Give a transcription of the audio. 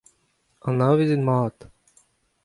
Anavezet-mat.